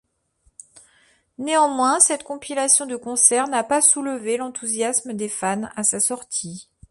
Néanmoins, cette compilation de concerts n'a pas soulevé l'enthousiasme des fans à sa sortie.